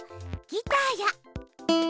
ギターや。